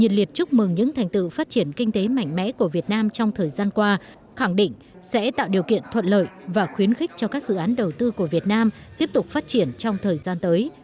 cả hai nước đều đạt được những thành tựu phát triển kinh tế mạnh mẽ của việt nam trong thời gian qua khẳng định sẽ tạo điều kiện thuận lợi và khuyến khích cho các dự án đầu tư của việt nam tiếp tục phát triển trong thời gian tới